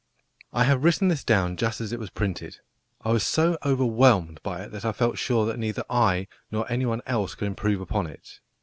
I have written this down just as it was printed. I was so overwhelmed by it that I felt sure that neither I nor anyone else could improve upon it.